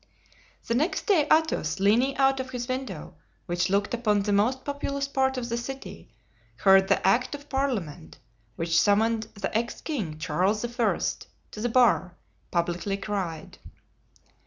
The next day, Athos, leaning out of his window, which looked upon the most populous part of the city, heard the Act of Parliament, which summoned the ex king, Charles I., to the bar, publicly cried.